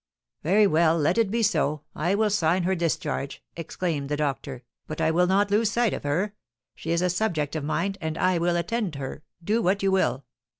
"Very well, let it be so; I will sign her discharge!" exclaimed the doctor; "but I will not lose sight of her; she is a subject of mine, and I will attend her, do what you will.